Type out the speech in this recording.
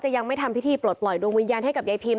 ยังไม่ทำพิธีปลดปล่อยดวงวิญญาณให้กับยายพิม